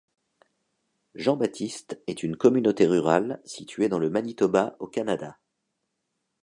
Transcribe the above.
Jean Baptiste est une communauté rurale située dans le Manitoba au Canada.